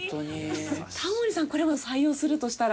タモリさんこれは採用するとしたら。